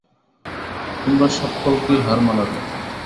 তোমরা সক্কলকেই হার মানাবে।